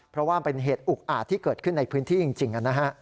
เพราะว่ามันเป็นเหตุอุกอาจที่เกิดขึ้นในพื้นที่จริงนะฮะ